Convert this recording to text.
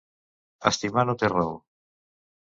Estimar no té raó.